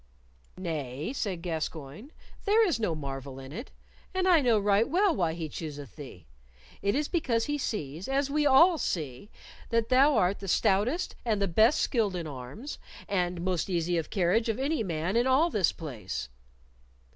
"Nay," said Gascoyne, "there is no marvel in it, and I know right well why he chooseth thee. It is because he sees, as we all see, that thou art the stoutest and the best skilled in arms, and most easy of carriage of any man in all this place."